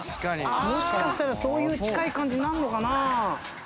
もしかしたらそういう近い感じになるのかな？